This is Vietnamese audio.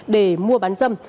để mua bán dâm